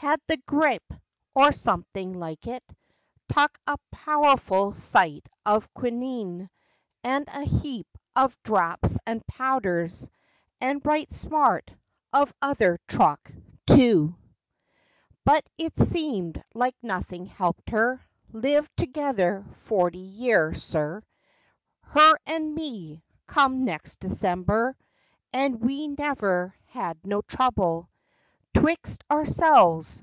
Had the gripp, or somethin' like it, Tuck a powerful sight of quine ine, And a heap of draps and powders, And right smart of other truck, too. FACTS AND FANCIES. 43 But it seemed like nothin' helpt her. Lived together forty year, sir, Her and me, come next December; And we never had no trouble 'Twixt ourselves.